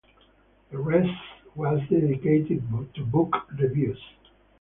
The rest was dedicated to book reviews.